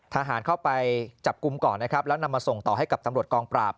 ทหารเข้าไปจับกลุ่มก่อนนะครับแล้วนำมาส่งต่อให้กับตำรวจกองปราบ